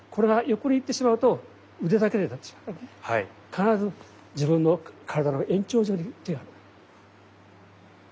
必ず自分の体の延長上に手ある。